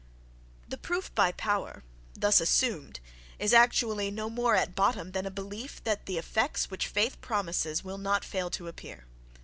—The "proof by power," thus assumed, is actually no more at bottom than a belief that the effects which faith promises will not fail to appear.